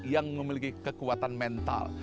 yang memiliki kekuatan mental